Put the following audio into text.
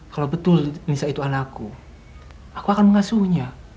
kalau betul nisa itu anakku aku akan mengasuhnya